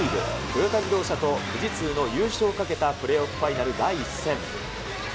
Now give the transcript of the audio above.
トヨタ自動車と富士通の優勝をかけたプレーオフファイナル第１戦。